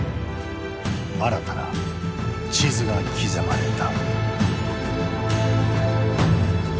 新たな地図が刻まれた。